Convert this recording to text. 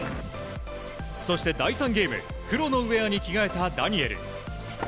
そして、第３ゲーム黒のウェアに着替えたダニエル。